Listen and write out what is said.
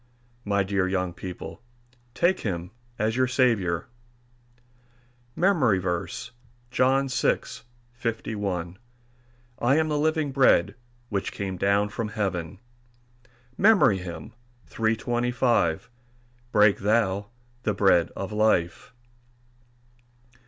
My dear young people, take him as your Saviour. MEMORY VERSE, John 6: 51 "I am the living bread which came down from heaven." MEMORY HYMN _"Break thou the bread of life."